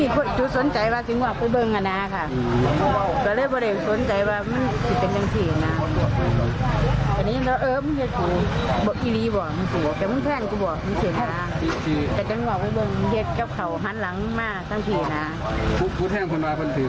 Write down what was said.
ผู้แทงตาจีกก็เห็นตอนนั้นทั้งที